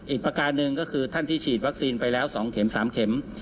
ประการหนึ่งก็คือท่านที่ฉีดวัคซีนไปแล้ว๒เข็ม๓เข็ม